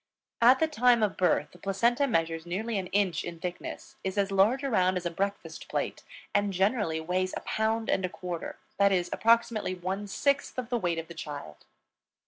At the time of birth the placenta measures nearly an inch in thickness, is as large around as a breakfast plate, and generally weighs a pound and a quarter, that is, approximately one sixth of the weight of the child.